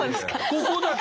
ここだけ。